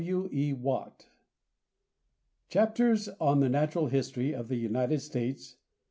W. E. WATT. =Chapters on the Natural History of the United States.